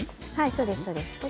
そうです、そうです。